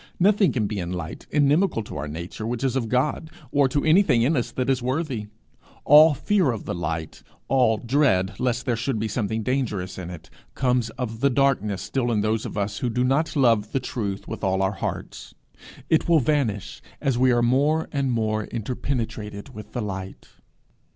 Nothing can be in light inimical to our nature, which is of God, or to anything in us that is worthy. All fear of the light, all dread lest there should be something dangerous in it, comes of the darkness still in those of us who do not love the truth with all our hearts; it will vanish as we are more and more interpenetrated with the light.